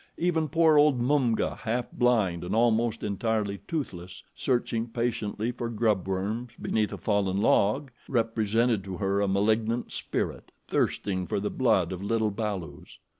Even poor old Mumga, half blind and almost entirely toothless, searching patiently for grubworms beneath a fallen log, represented to her a malignant spirit thirsting for the blood of little balus.